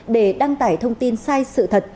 để đăng tải thông tin sai sự thật